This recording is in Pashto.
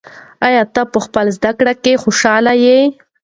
آیا ته په خپلو زده کړو کې خوشحاله یې؟